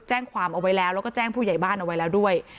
แจ้งความเอาไว้แล้วแล้วก็แจ้งผู้ใหญ่บ้านเอาไว้แล้วด้วย